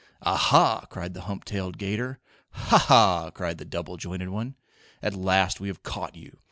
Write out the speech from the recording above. "Ah, ha!" cried the hump tailed 'gator. "Ha, ha!" cried the double jointed one. "At last we have caught you!"